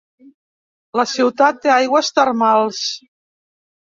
La ciutat té aigües termals.